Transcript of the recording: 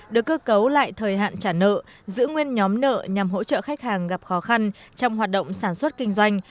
được cơ cấu lại thời hạn trả nợ giữ nguyên nhóm nợ nhằm hỗ trợ khách hàng gặp khó khăn trong hoạt động sản xuất kinh doanh